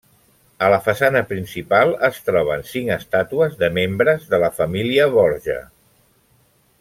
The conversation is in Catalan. A la façana principal es troben cinc estàtues de membres de la Família Borja.